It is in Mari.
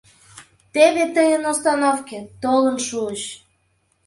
Теве тыйын остановкет — толын шуыч.